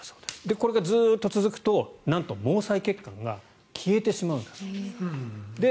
これがずっと続くとなんと毛細血管が消えてしまうんだそうです。